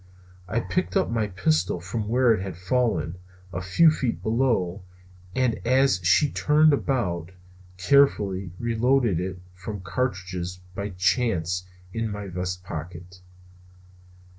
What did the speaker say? I picked up my pistol from where it had fallen, a few feet below, and as she turned about, carefully reloaded it from cartridges by chance in my vest pocket.